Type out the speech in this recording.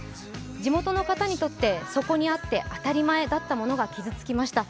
地元の方にとって、そこにあって当たり前だったものが傷つきました。